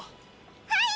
はい！